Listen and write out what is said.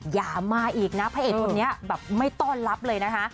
อย่ามาอีกนะพระเอกคนนี้แบบไม่ต้อนรับเลยนะคะ